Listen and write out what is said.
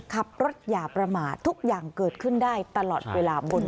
ขับรถอย่าประมาททุกอย่างเกิดขึ้นได้ตลอดเวลาบน